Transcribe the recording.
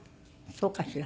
そうかしら。